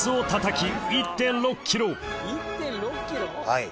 はい。